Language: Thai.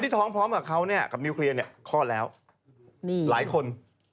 คนที่ท้องพร้อมกับเขากับนิวเคลียร์เนี่ยคลอดแล้วหลายคน